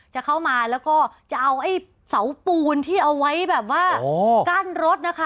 จะเข้ามาแล้วก็จะเอาไอ้เสาปูนที่เอาไว้แบบว่ากั้นรถนะคะ